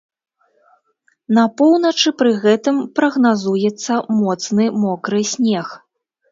На поўначы пры гэтым прагназуецца моцны мокры снег.